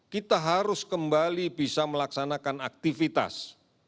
kita harus kembali bisa melaksanakan aktivitas